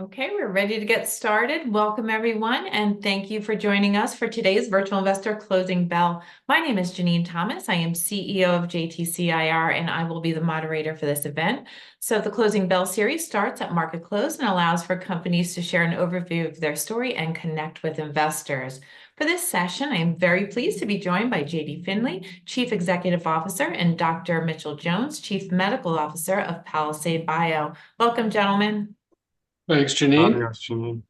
Okay, we're ready to get started. Welcome, everyone, and thank you for joining us for today's Virtual Investor Closing Bell. My name is Jenene Thomas. I am CEO of JTC IR, and I will be the moderator for this event. So, the Closing Bell series starts at market close and allows for companies to share an overview of their story and connect with investors. For this session, I am very pleased to be joined by J.D. Finley, Chief Executive Officer, and Dr. Mitchell Jones, Chief Medical Officer of Palisade Bio. Welcome, gentlemen. Thanks, Jenene.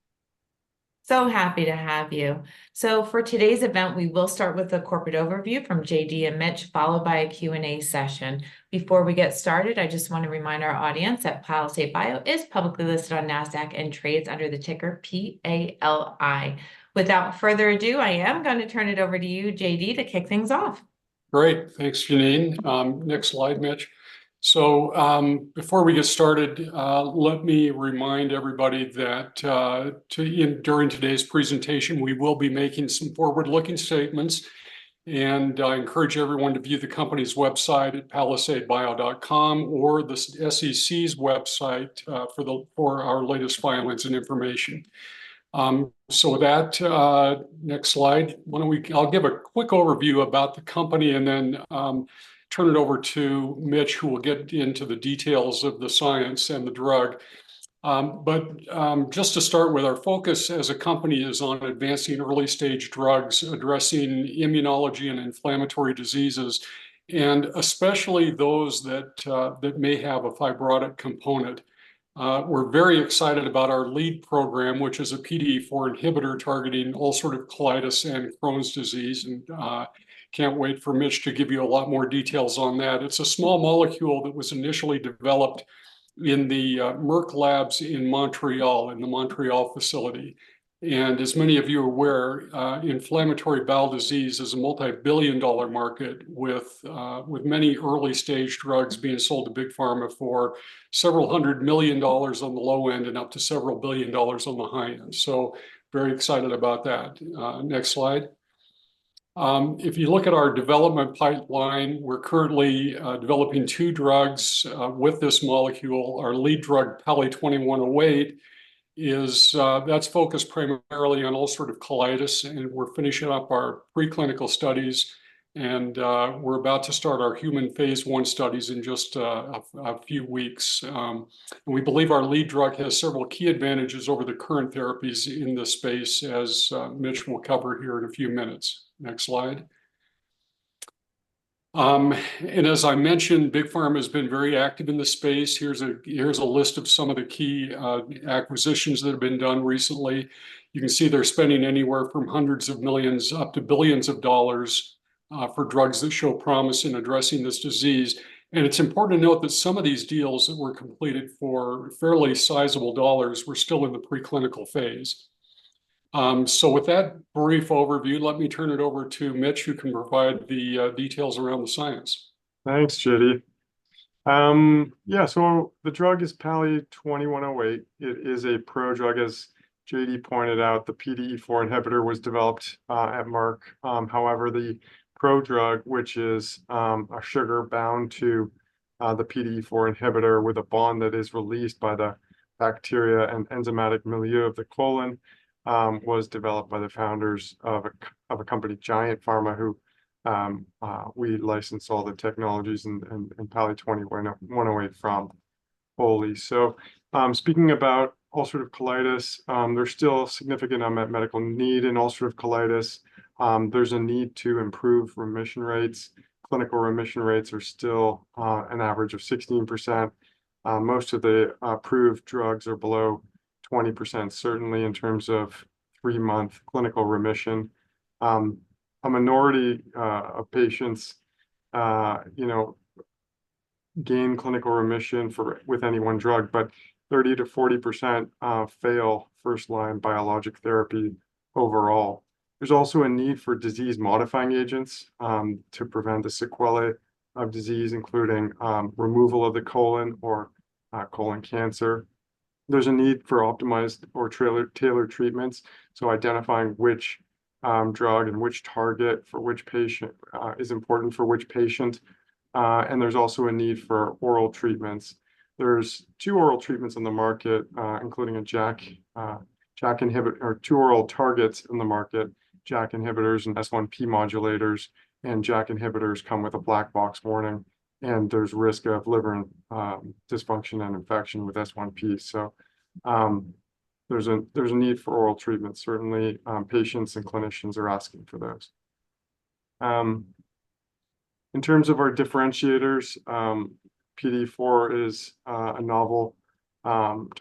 So happy to have you. So, for today's event, we will start with a corporate overview from J.D. and Mitch, followed by a Q&A session. Before we get started, I just want to remind our audience that Palisade Bio is publicly listed on NASDAQ and trades under the ticker PALI. Without further ado, I am going to turn it over to you, J.D., to kick things off. Great. Thanks, Janine. Next slide, Mitch. Before we get started, let me remind everybody that during today's presentation, we will be making some forward-looking statements, and I encourage everyone to view the company's website at palisadebio.com or the SEC's website for our latest filings and information. That next slide, I'll give a quick overview about the company and then turn it over to Mitch, who will get into the details of the science and the drug. Just to start with, our focus as a company is on advancing early-stage drugs, addressing immunology and inflammatory diseases, and especially those that may have a fibrotic component. We're very excited about our lead program, which is a PDE4 inhibitor targeting all sorts of colitis and Crohn's disease, and can't wait for Mitch to give you a lot more details on that. It's a small molecule that was initially developed in the Merck labs in Montréal, in the Montréal facility. As many of you are aware, inflammatory bowel disease is a multi-billion-dollar market, with many early-stage drugs being sold to Big Pharma for several hundred million dollars on the low end and up to several billion dollars on the high end. Very excited about that. Next slide. If you look at our development pipeline, we're currently developing two drugs with this molecule. Our lead drug, PALI-2108, that's focused primarily on all sorts of colitis, and we're finishing up our preclinical studies, and we're about to start our human phase I studies in just a few weeks. We believe our lead drug has several key advantages over the current therapies in this space, as Mitch will cover here in a few minutes. Next slide. As I mentioned, Big Pharma has been very active in the space. Here's a list of some of the key acquisitions that have been done recently. You can see they're spending anywhere from $hundreds of millions up to $billions for drugs that show promise in addressing this disease. It's important to note that some of these deals that were completed for fairly sizable dollars were still in the preclinical phase. With that brief overview, let me turn it over to Mitch, who can provide the details around the science. Thanks, J.D. Yeah, so the drug is PALI-2108. It is a prodrug, as J.D. pointed out. The PDE4 inhibitor was developed at Merck. However, the prodrug, which is a sugar bound to the PDE4 inhibitor with a bond that is released by the bacteria and enzymatic milieu of the colon, was developed by the founders of a company: Giiant Pharma, who we licensed all the technologies and PALI-2108 from wholly. So, speaking about ulcerative colitis, there's still significant unmet medical need in ulcerative colitis. There's a need to improve remission rates. Clinical remission rates are still an average of 16%. Most of the approved drugs are below 20%, certainly in terms of three-month clinical remission. A minority of patients gain clinical remission with any one drug, but 30%-40% fail first-line biologic therapy overall. There's also a need for disease-modifying agents to prevent the sequelae of disease, including removal of the colon or colon cancer. There's a need for optimized or tailored treatments. So, identifying which drug and which target for which patient is important for which patient. And there's also a need for oral treatments. There's two oral treatments in the market, including a JAK inhibitor, or two oral targets in the market: JAK inhibitors and S1P modulators. And JAK inhibitors come with a black box warning, and there's risk of liver dysfunction and infection with S1P. So, there's a need for oral treatment, certainly. Patients and clinicians are asking for those. In terms of our differentiators, PDE4 is a novel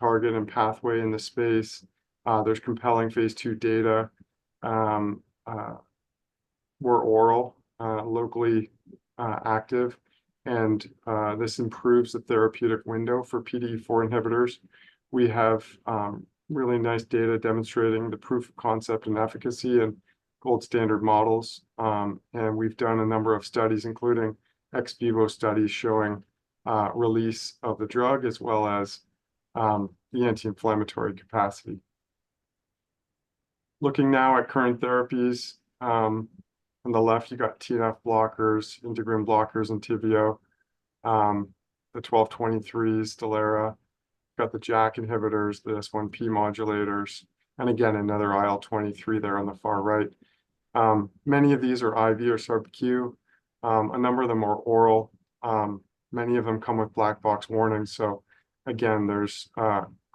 target and pathway in the space. There's compelling phase II data. We're oral, locally active, and this improves the therapeutic window for PDE4 inhibitors. We have really nice data demonstrating the proof of concept and efficacy and gold standard models. We've done a number of studies, including ex vivo studies showing release of the drug as well as the anti-inflammatory capacity. Looking now at current therapies, on the left, you've got TNF blockers, integrin blockers, and Entyvio, the 12/23, Stelara. You've got the JAK inhibitors, the S1P modulators, and again, another IL-23 there on the far right. Many of these are IV or subcu. A number of them are oral. Many of them come with black box warnings. So, again, there's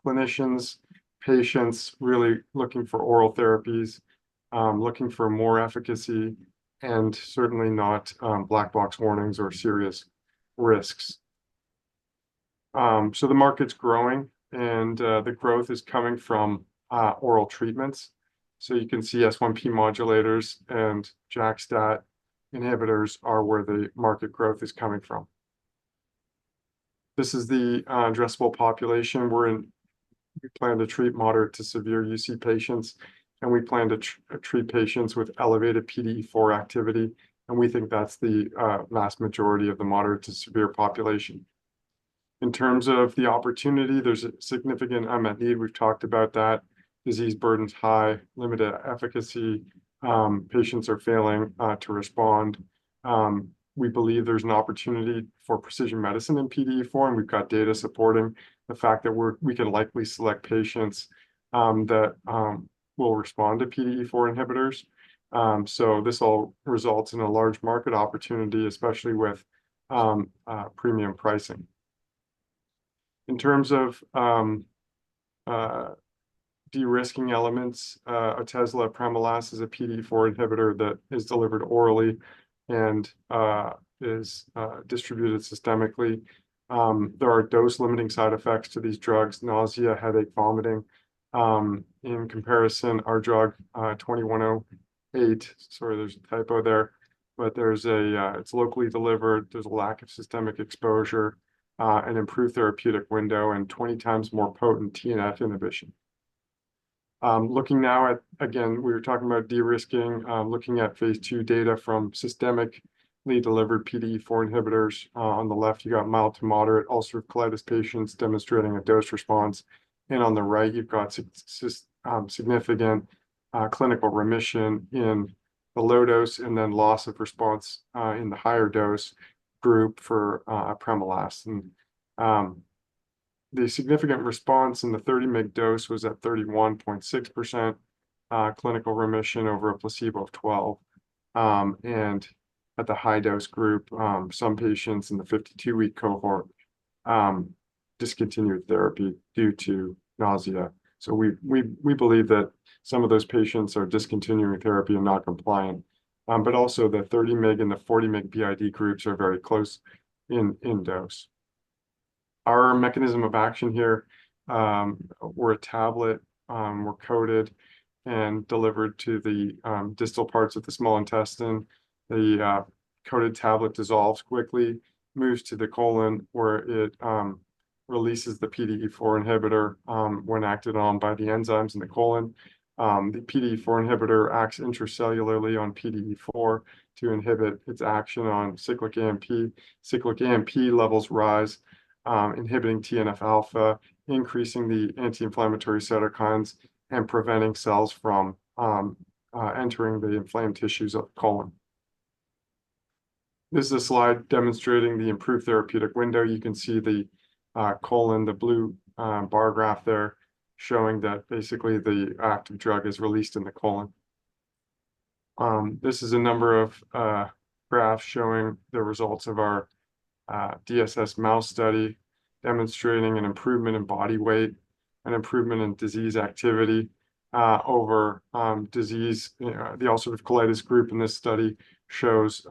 clinicians, patients really looking for oral therapies, looking for more efficacy, and certainly not black box warnings or serious risks. So, the market's growing, and the growth is coming from oral treatments. So, you can see S1P modulators and JAK-STAT inhibitors are where the market growth is coming from. This is the addressable population. We plan to treat moderate to severe UC patients, and we plan to treat patients with elevated PDE4 activity. We think that's the vast majority of the moderate to severe population. In terms of the opportunity, there's significant unmet need. We've talked about that. Disease burden's high, limited efficacy. Patients are failing to respond. We believe there's an opportunity for precision medicine in PDE4, and we've got data supporting the fact that we can likely select patients that will respond to PDE4 inhibitors. This all results in a large market opportunity, especially with premium pricing. In terms of de-risking elements, Otezla, apremilast is a PDE4 inhibitor that is delivered orally and is distributed systemically. There are dose-limiting side effects to these drugs: nausea, headache, vomiting. In comparison, our drug 2108, sorry, there's a typo there, but it's locally delivered. There's a lack of systemic exposure and improved therapeutic window and 20 times more potent TNF inhibition. Looking now at, again, we were talking about de-risking, looking at phase II data from systemically delivered PDE4 inhibitors. On the left, you've got mild to moderate ulcerative colitis patients demonstrating a dose response. And on the right, you've got significant clinical remission in the low dose and then loss of response in the higher dose group for apremilast. The significant response in the 30-mg dose was at 31.6% clinical remission over a placebo of 12%. And at the high dose group, some patients in the 52-week cohort discontinued therapy due to nausea. So, we believe that some of those patients are discontinuing therapy and not compliant, but also the 30-mg and the 40-mg BID groups are very close in dose. Our mechanism of action here, we're a tablet. We're coated and delivered to the distal parts of the small intestine. The coated tablet dissolves quickly, moves to the colon, where it releases the PDE4 inhibitor when acted on by the enzymes in the colon. The PDE4 inhibitor acts intracellularly on PDE4 to inhibit its action on cyclic AMP. Cyclic AMP levels rise, inhibiting TNF alpha, increasing the anti-inflammatory cytokines, and preventing cells from entering the inflamed tissues of the colon. This is a slide demonstrating the improved therapeutic window. You can see the colon, the blue bar graph there, showing that basically the active drug is released in the colon. This is a number of graphs showing the results of our DSS mouse study demonstrating an improvement in body weight, an improvement in disease activity over disease. The ulcerative colitis group in this study shows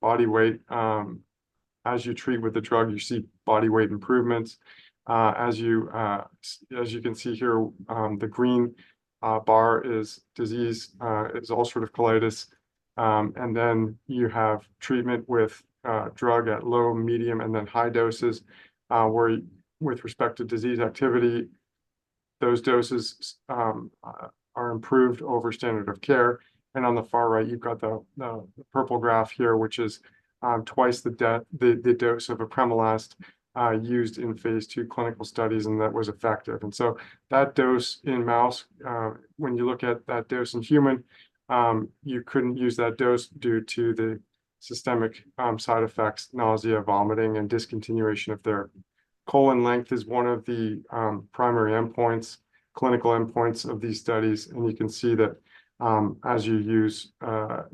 body weight. As you treat with the drug, you see body weight improvements. As you can see here, the green bar is disease. It's ulcerative colitis. And then you have treatment with drug at low, medium, and then high doses, where with respect to disease activity, those doses are improved over standard of care. And on the far right, you've got the purple graph here, which is twice the dose of apremilast used in phase II clinical studies, and that was effective. And so that dose in mouse, when you look at that dose in human, you couldn't use that dose due to the systemic side effects: nausea, vomiting, and discontinuation of therapy. Colon length is one of the primary endpoints, clinical endpoints of these studies. And you can see that as you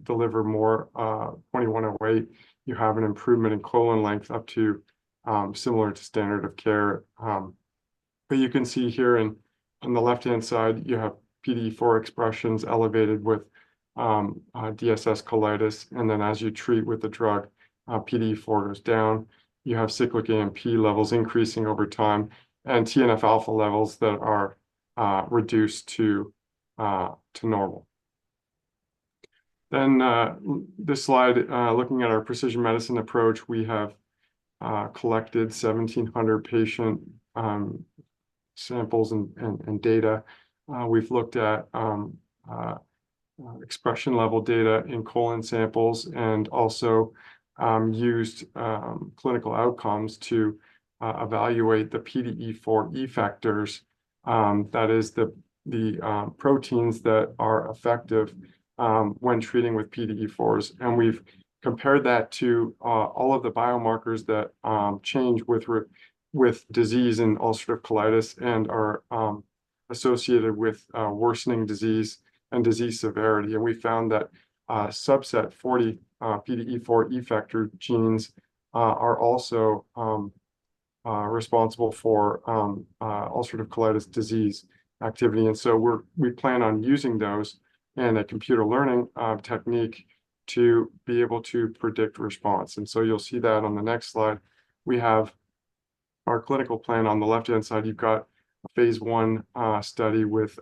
deliver more 2108, you have an improvement in colon length up to similar to standard of care. But you can see here on the left-hand side, you have PDE4 expressions elevated with DSS colitis. And then as you treat with the drug, PDE4 goes down. You have cyclic AMP levels increasing over time and TNF alpha levels that are reduced to normal. Then this slide, looking at our precision medicine approach, we have collected 1,700 patient samples and data. We've looked at expression-level data in colon samples and also used clinical outcomes to evaluate the PDE4 E effectors, that is, the proteins that are effective when treating with PDE4s. And we've compared that to all of the biomarkers that change with disease in ulcerative colitis and are associated with worsening disease and disease severity. And we found that subset 40 PDE4 effector genes are also responsible for ulcerative colitis disease activity. And so we plan on using those and a computer learning technique to be able to predict response. And so you'll see that on the next slide. We have our clinical plan. On the left-hand side, you've got a phase I study with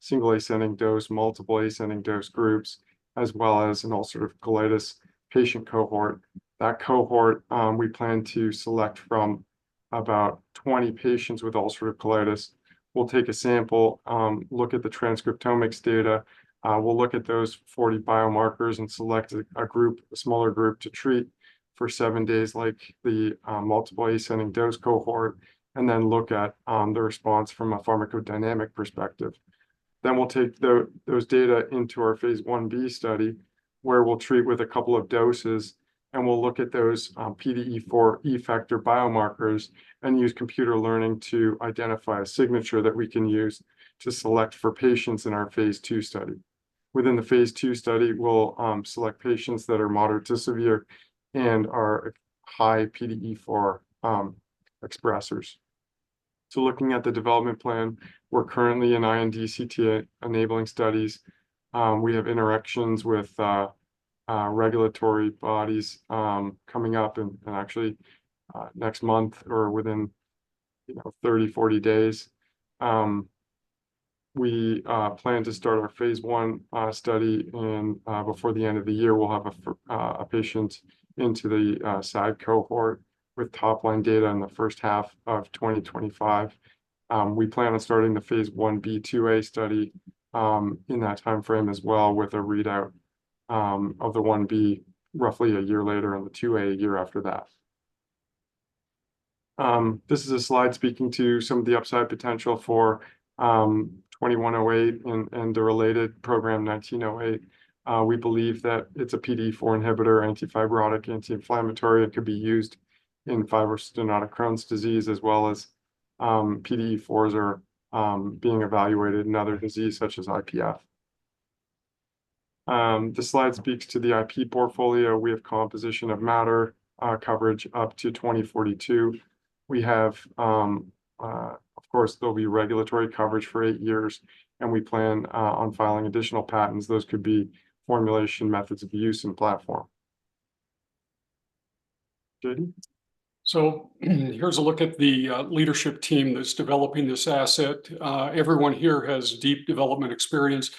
single ascending dose, multiple ascending dose groups, as well as an ulcerative colitis patient cohort. That cohort, we plan to select from about 20 patients with ulcerative colitis. We'll take a sample, look at the transcriptomics data. We'll look at those 40 biomarkers and select a group, a smaller group, to treat for seven days like the multiple ascending dose cohort, and then look at the response from a pharmacodynamic perspective. Then we'll take those data into our phase Ib study, where we'll treat with a couple of doses, and we'll look at those PDE4 effector biomarkers and use computer learning to identify a signature that we can use to select for patients in our phase II study. Within the phase II study, we'll select patients that are moderate to severe and are high PDE4 expressors. So, looking at the development plan, we're currently in IND CTA enabling studies. We have interactions with regulatory bodies coming up in actually next month or within 30, 40 days. We plan to start our phase I study, and before the end of the year, we'll have a patient into the SAD cohort with top-line data in the first half of 2025. We plan on starting the phase Ib, 2a study in that timeframe as well, with a readout of the 1b roughly a year later and the 2a a year after that. This is a slide speaking to some of the upside potential for 2108 and the related program 1908. We believe that it's a PDE4 inhibitor, antifibrotic, anti-inflammatory. It could be used in fibrostenotic Crohn's disease as well as PDE4s being evaluated in other diseases such as IPF. The slide speaks to the IP portfolio. We have composition of matter coverage up to 2042. We have, of course, there'll be regulatory coverage for eight years, and we plan on filing additional patents. Those could be formulation, methods of use, and platform. J.D.? So, here's a look at the leadership team that's developing this asset. Everyone here has deep development experience.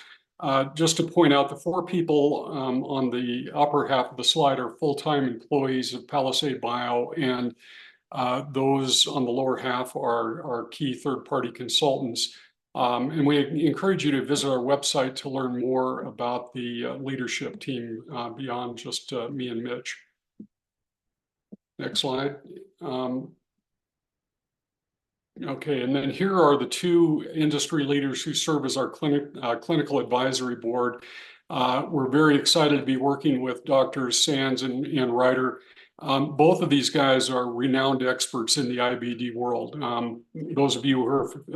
Just to point out, the four people on the upper half of the slide are full-time employees of Palisade Bio, and those on the lower half are key third-party consultants. We encourage you to visit our website to learn more about the leadership team beyond just me and Mitch. Next slide. Okay. Then here are the two industry leaders who serve as our clinical advisory board. We're very excited to be working with Dr. Sands and Rieder. Both of these guys are renowned experts in the IBD world. Those of you who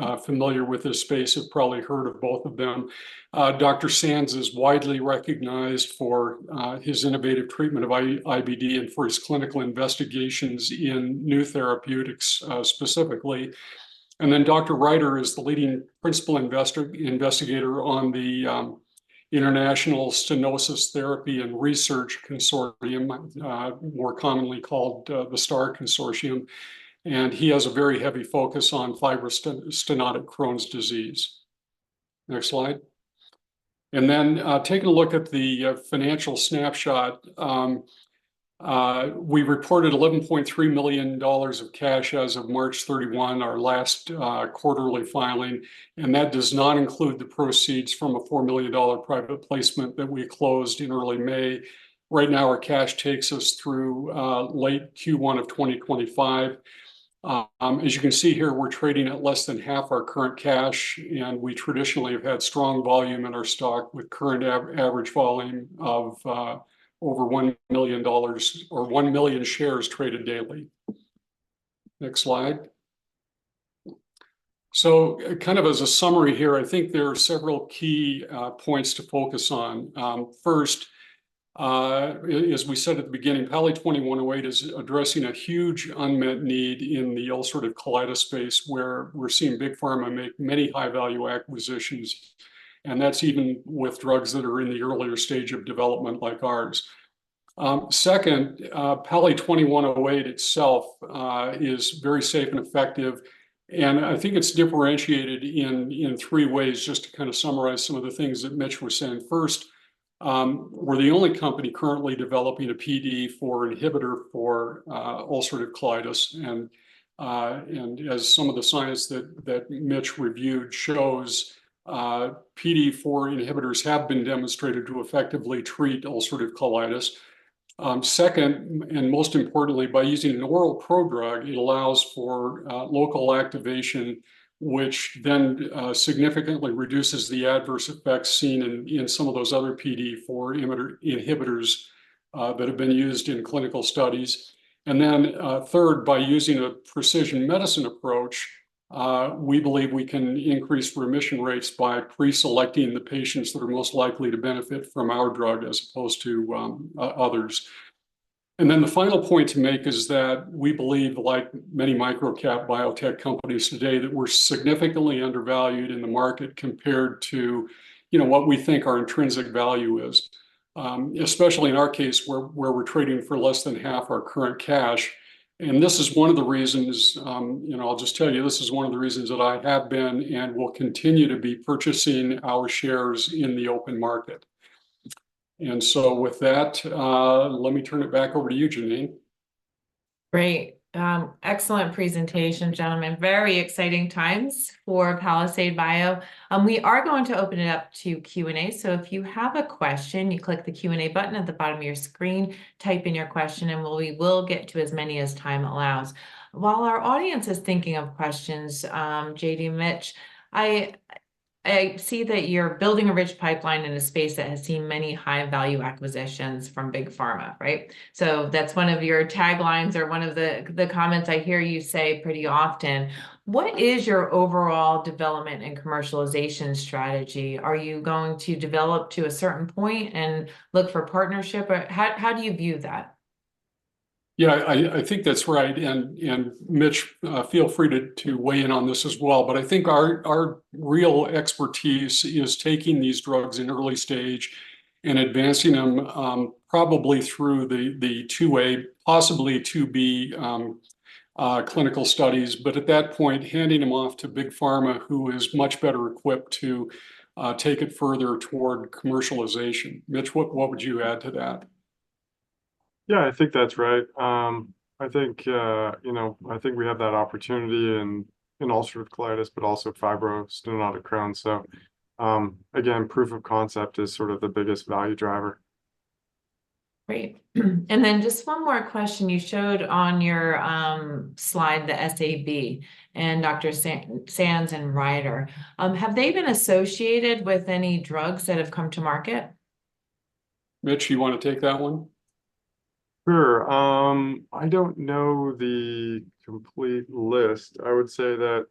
are familiar with this space have probably heard of both of them. Dr. Sands is widely recognized for his innovative treatment of IBD and for his clinical investigations in new therapeutics specifically. Then Dr. Rieder is the leading principal investigator on the International Stenosis Therapy and Research Consortium, more commonly called the STAR Consortium. He has a very heavy focus on fibrostenotic Crohn’s disease. Next slide. Then taking a look at the financial snapshot, we reported $11.3 million of cash as of March 31, our last quarterly filing. And that does not include the proceeds from a $4 million private placement that we closed in early May. Right now, our cash takes us through late Q1 of 2025. As you can see here, we're trading at less than half our current cash, and we traditionally have had strong volume in our stock with current average volume of over $1 million or 1 million shares traded daily. Next slide. So, kind of as a summary here, I think there are several key points to focus on. First, as we said at the beginning, PALI-2108 is addressing a huge unmet need in the ulcerative colitis space where we're seeing big pharma make many high-value acquisitions. And that's even with drugs that are in the earlier stage of development like ours. Second, PALI-2108 itself is very safe and effective. And I think it's differentiated in three ways just to kind of summarize some of the things that Mitch was saying. First, we're the only company currently developing a PDE4 inhibitor for ulcerative colitis. And as some of the science that Mitch reviewed shows, PDE4 inhibitors have been demonstrated to effectively treat ulcerative colitis. Second, and most importantly, by using an oral prodrug, it allows for local activation, which then significantly reduces the adverse effects seen in some of those other PDE4 inhibitors that have been used in clinical studies. And then third, by using a precision medicine approach, we believe we can increase remission rates by preselecting the patients that are most likely to benefit from our drug as opposed to others. And then the final point to make is that we believe, like many microcap biotech companies today, that we're significantly undervalued in the market compared to what we think our intrinsic value is, especially in our case where we're trading for less than half our current cash. And this is one of the reasons, I'll just tell you, this is one of the reasons that I have been and will continue to be purchasing our shares in the open market. And so with that, let me turn it back over to you, Janine. Great. Excellent presentation, gentlemen. Very exciting times for Palisade Bio. We are going to open it up to Q&A. So if you have a question, you click the Q&A button at the bottom of your screen, type in your question, and we will get to as many as time allows. While our audience is thinking of questions, J.D., Mitch, I see that you're building a rich pipeline in a space that has seen many high-value acquisitions from big pharma, right? So that's one of your taglines or one of the comments I hear you say pretty often. What is your overall development and commercialization strategy? Are you going to develop to a certain point and look for partnership? How do you view that? Yeah, I think that's right. And Mitch, feel free to weigh in on this as well. But I think our real expertise is taking these drugs in early stage and advancing them probably through the 2a, possibly 2b clinical studies, but at that point, handing them off to big pharma who is much better equipped to take it further toward commercialization. Mitch, what would you add to that? Yeah, I think that's right. I think we have that opportunity in ulcerative colitis, but also fibrostenotic Crohn’s. So again, proof of concept is sort of the biggest value driver. Great. And then just one more question. You showed on your slide the SAB and Dr. Sands and Rieder. Have they been associated with any drugs that have come to market? Mitch, you want to take that one? Sure. I don't know the complete list. I would say that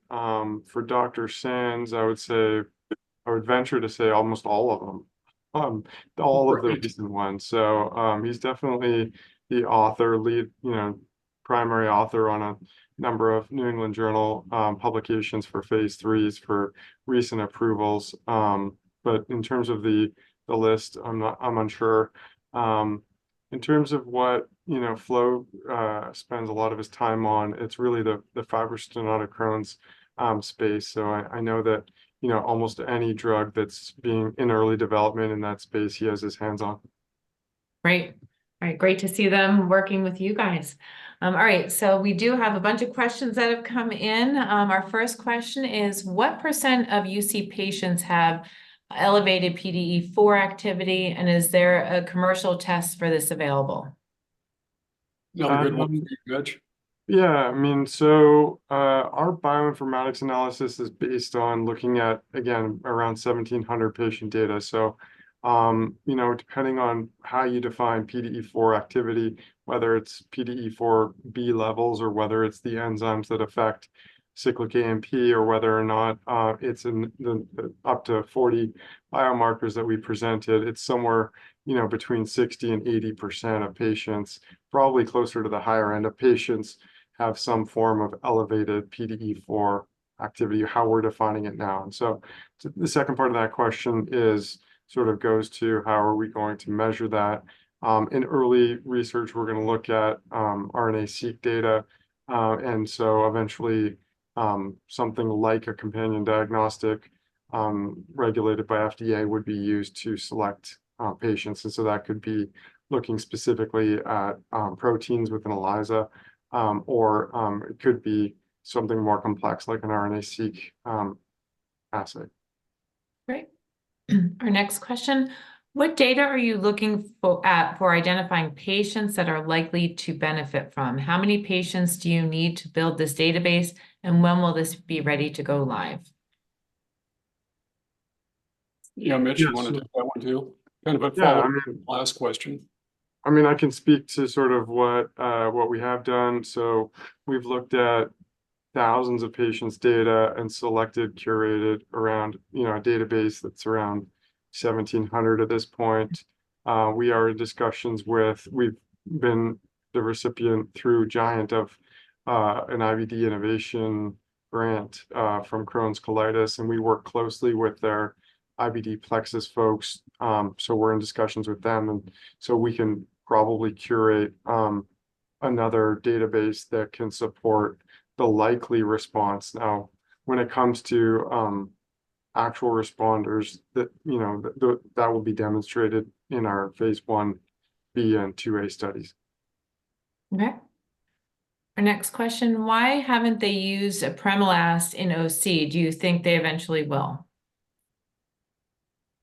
for Dr. Sands, I would venture to say almost all of them, all of the recent ones. So he's definitely the primary author on a number of New England Journal publications for phase IIIs for recent approvals. But in terms of the list, I'm unsure. In terms of what Florian spends a lot of his time on, it's really the fibrostenotic Crohn's space. So I know that almost any drug that's being in early development in that space, he has his hands on. Great. All right. Great to see them working with you guys. All right. So we do have a bunch of questions that have come in. Our first question is, what % of UC patients have elevated PDE4 activity, and is there a commercial test for this available? That's a good one. Mitch? Yeah. I mean, so our bioinformatics analysis is based on looking at, again, around 1,700 patient data. So depending on how you define PDE4 activity, whether it's PDE4B levels or whether it's the enzymes that affect cyclic AMP or whether or not it's up to 40 biomarkers that we presented, it's somewhere between 60%-80% of patients, probably closer to the higher end of patients, have some form of elevated PDE4 activity, how we're defining it now. And so the second part of that question sort of goes to how are we going to measure that? In early research, we're going to look at RNA-seq data. And so eventually, something like a companion diagnostic regulated by FDA would be used to select patients. And so that could be looking specifically at proteins within ELISA, or it could be something more complex like an RNA-seq assay. Great. Our next question, what data are you looking for identifying patients that are likely to benefit from? How many patients do you need to build this database, and when will this be ready to go live? Yeah, Mitch, you want to take that one too? Kind of a follow-up last question. I mean, I can speak to sort of what we have done. So we've looked at thousands of patients' data and selected, curated around a database that's around 1,700 at this point. We are in discussions with, we've been the recipient through Giiant of an IBD innovation grant from Crohn’s & Colitis, and we work closely with their IBD Plexus folks. So we're in discussions with them. And so we can probably curate another database that can support the likely response. Now, when it comes to actual responders, that will be demonstrated in our phase Ib and 2a studies. Okay. Our next question, why haven't they used apremilast in UC? Do you think they eventually will?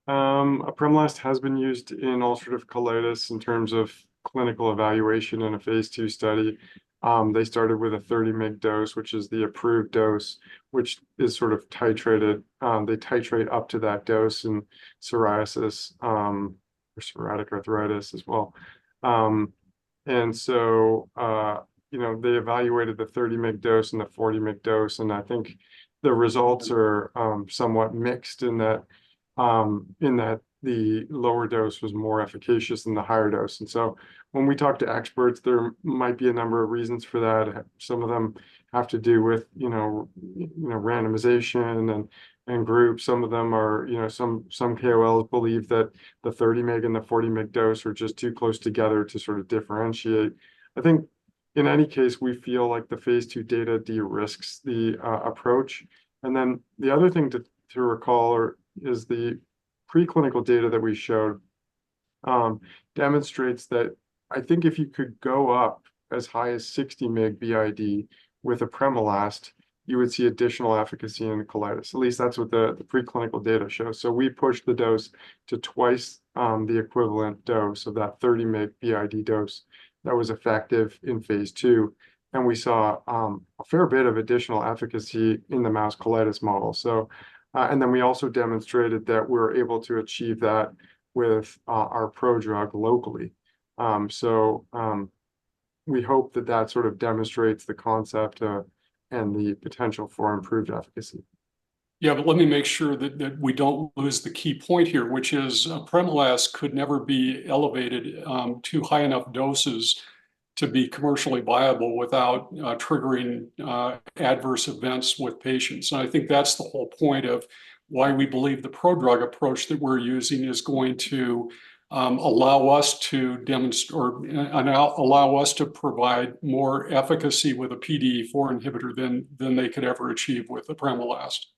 Apremilast has been used in ulcerative colitis in terms of clinical evaluation in a phase II study. They started with a 30-mg dose, which is the approved dose, which is sort of titrated. They titrate up to that dose in psoriasis or psoriatic arthritis as well. And so they evaluated the 30-mg dose and the 40-mg dose. And I think the results are somewhat mixed in that the lower dose was more efficacious than the higher dose. And so when we talk to experts, there might be a number of reasons for that. Some of them have to do with randomization and groups. Some of them, some KOLs believe that the 30-mg and the 40-mg dose are just too close together to sort of differentiate. I think in any case, we feel like the phase II data de-risks the approach. Then the other thing to recall is the preclinical data that we showed demonstrates that I think if you could go up as high as 60-mg BID with apremilast, you would see additional efficacy in colitis. At least that's what the preclinical data shows. So we pushed the dose to twice the equivalent dose of that 30-mg BID dose that was effective in phase II. And we saw a fair bit of additional efficacy in the mouse colitis model. And then we also demonstrated that we were able to achieve that with our prodrug locally. So we hope that that sort of demonstrates the concept and the potential for improved efficacy. Yeah, but let me make sure that we don't lose the key point here, which is apremilast could never be elevated to high enough doses to be commercially viable without triggering adverse events with patients. And I think that's the whole point of why we believe the prodrug approach that we're using is going to allow us to provide more efficacy with a PDE4 inhibitor than they could ever achieve with apremilast. Great.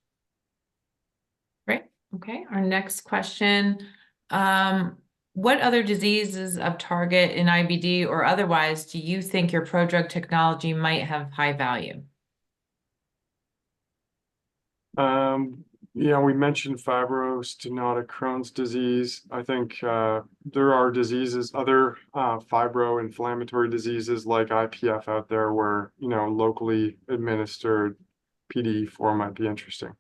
Okay. Our next question, what other diseases to target in IBD or otherwise do you think your prodrug technology might have high value? Yeah, we mentioned fibrostenotic Crohn's disease. I think there are diseases, other fibro-inflammatory diseases like IPF out there where locally administered PDE4 might be interesting.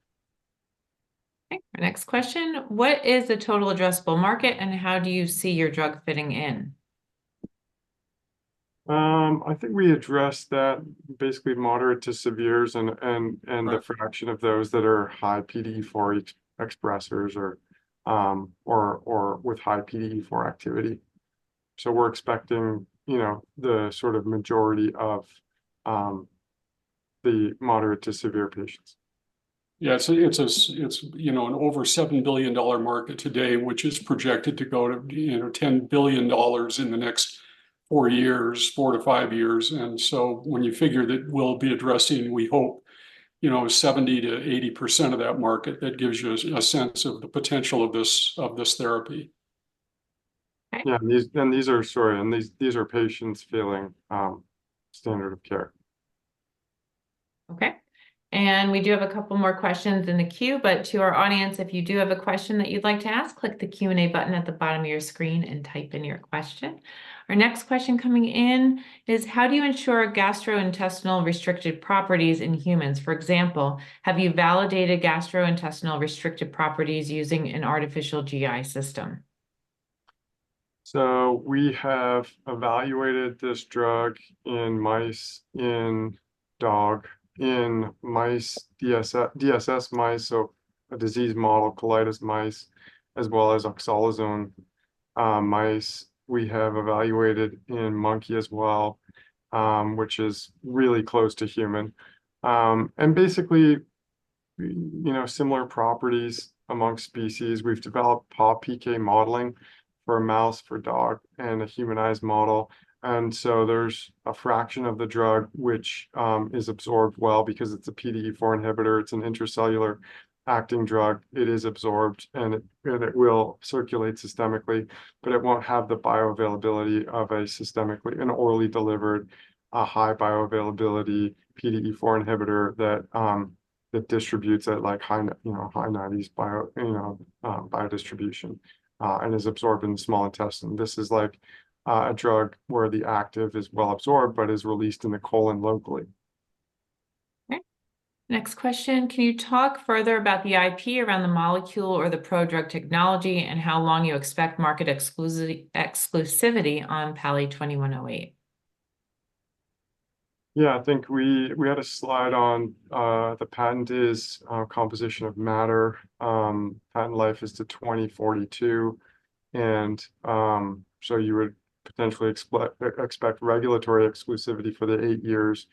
Okay. Our next question, what is the total addressable market and how do you see your drug fitting in? I think we address that basically moderate to severe and the fraction of those that are high PDE4 expressors or with high PDE4 activity. So we're expecting the sort of majority of the moderate to severe patients. Yeah. So it's an over $7 billion market today, which is projected to go to $10 billion in the next four years, four to five years. And so when you figure that we'll be addressing, we hope 70%-80% of that market, that gives you a sense of the potential of this therapy. Yeah. And these are patients feeling. Standard of care. Okay. And we do have a couple more questions in the queue. But to our audience, if you do have a question that you'd like to ask, click the Q&A button at the bottom of your screen and type in your question. Our next question coming in is, how do you ensure gastrointestinal restricted properties in humans? For example, have you validated gastrointestinal restricted properties using an artificial GI system? So we have evaluated this drug in dogs, in mice, DSS mice, so a disease model, colitis mice, as well as oxazolone mice. We have evaluated in monkeys as well, which is really close to human. And basically, similar properties among species. We've developed PBPK modeling for a mouse, for a dog, and a humanized model. And so there's a fraction of the drug which is absorbed well because it's a PDE4 inhibitor. It's an intracellular acting drug. It is absorbed, and it will circulate systemically, but it won't have the bioavailability of an orally delivered, high bioavailability PDE4 inhibitor that distributes at high 90s biodistribution and is absorbed in the small intestine. This is like a drug where the active is well absorbed but is released in the colon locally. Okay. Next question, can you talk further about the IP around the molecule or the prodrug technology and how long you expect market exclusivity on PALI-2108? Yeah, I think we had a slide on the patent is composition of matter. Patent life is to 2042. And so you would potentially expect regulatory exclusivity for the eight years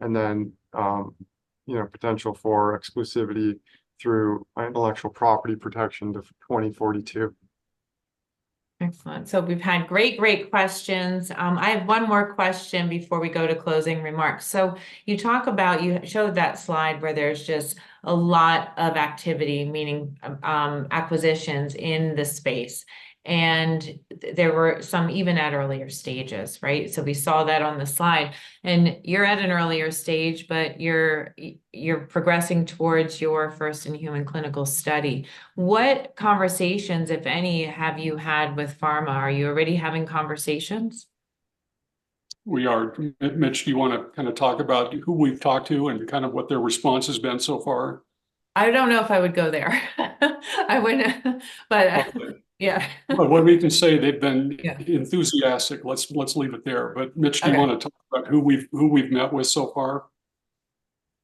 and then potential for exclusivity through intellectual property protection to 2042. Excellent. So we've had great, great questions. I have one more question before we go to closing remarks. So you showed that slide where there's just a lot of activity, meaning acquisitions in the space. And there were some even at earlier stages, right? So we saw that on the slide. You're at an earlier stage, but you're progressing towards your first-in-human clinical study. What conversations, if any, have you had with pharma? Are you already having conversations? We are. Mitch, do you want to kind of talk about who we've talked to and kind of what their response has been so far? I don't know if I would go there. But yeah. But when we can say they've been enthusiastic, let's leave it there. But Mitch, do you want to talk about who we've met with so far?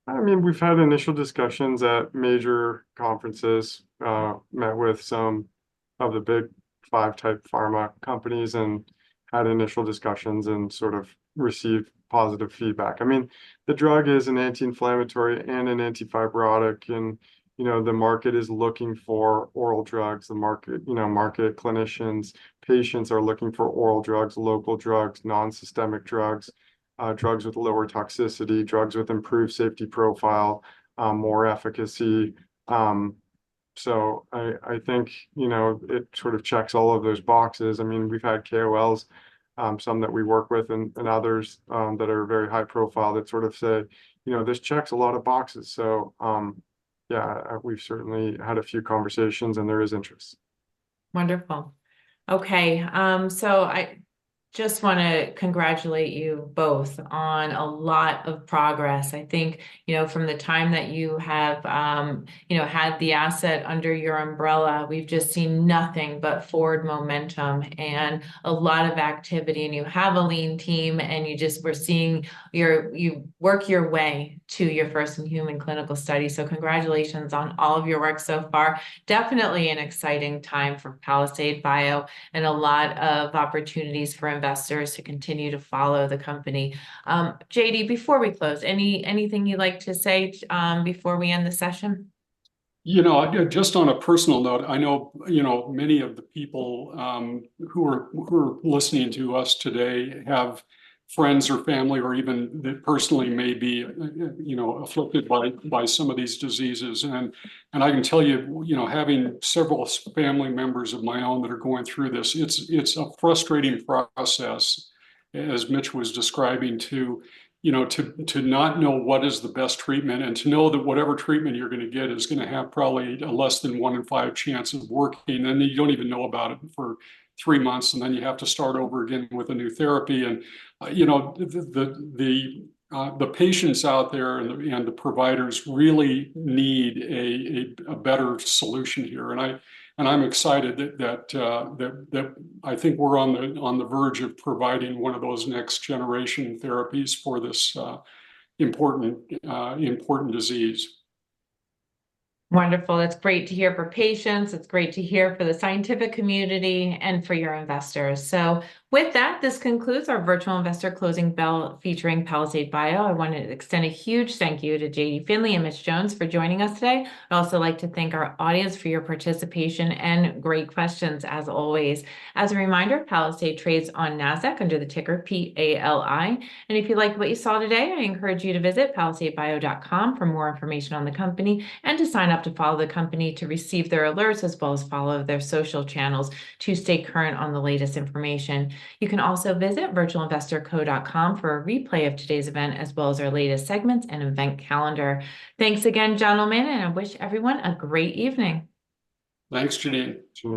I mean, we've had initial discussions at major conferences, met with some of the big five-type pharma companies, and had initial discussions and sort of received positive feedback. I mean, the drug is an anti-inflammatory and an antifibrotic. The market is looking for oral drugs. Market clinicians, patients are looking for oral drugs, local drugs, non-systemic drugs, drugs with lower toxicity, drugs with improved safety profile, more efficacy. So I think it sort of checks all of those boxes. I mean, we've had KOLs, some that we work with, and others that are very high profile that sort of say, "This checks a lot of boxes." So yeah, we've certainly had a few conversations, and there is interest. Wonderful. Okay. So I just want to congratulate you both on a lot of progress. I think from the time that you have had the asset under your umbrella, we've just seen nothing but forward momentum and a lot of activity. You have a lean team, and we're seeing you work your way to your first-in-human clinical study. So congratulations on all of your work so far. Definitely an exciting time for Palisade Bio and a lot of opportunities for investors to continue to follow the company. J.D., before we close, anything you'd like to say before we end the session? Just on a personal note, I know many of the people who are listening to us today have friends or family or even personally may be afflicted by some of these diseases. And I can tell you, having several family members of my own that are going through this, it's a frustrating process, as Mitch was describing, to not know what is the best treatment and to know that whatever treatment you're going to get is going to have probably a one in five chance of working. And then you don't even know about it for three months, and then you have to start over again with a new therapy. The patients out there and the providers really need a better solution here. I'm excited that I think we're on the verge of providing one of those next-generation therapies for this important disease. Wonderful. That's great to hear for patients. It's great to hear for the scientific community and for your investors. So with that, this concludes our virtual investor closing bell featuring Palisade Bio. I want to extend a huge thank you to J.D. Finley and Mitch Jones for joining us today. I'd also like to thank our audience for your participation and great questions, as always. As a reminder, Palisade trades on NASDAQ under the ticker PALI. If you like what you saw today, I encourage you to visit palisadebio.com for more information on the company and to sign up to follow the company to receive their alerts as well as follow their social channels to stay current on the latest information. You can also visit virtualinvestorco.com for a replay of today's event as well as our latest segments and event calendar. Thanks again, gentlemen, and I wish everyone a great evening. Thanks, J.D.